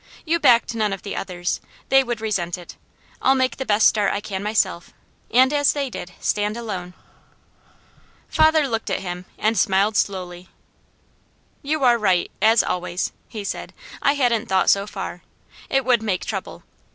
"You backed none of the others. They would resent it. I'll make the best start I can myself, and as they did, stand alone." Father looked at him and smiled slowly. "You are right, as always," he said. "I hadn't thought so far. It would make trouble.